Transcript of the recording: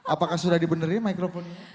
apakah sudah dibenerin mikrofonnya